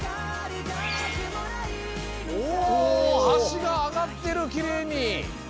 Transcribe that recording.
おはしがあがってるきれいに！